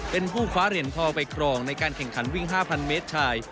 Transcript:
เป็นผู้คว้าเหรียญทองไปครองในการแข่งขันวิ่ง๕๐๐เมตรชาย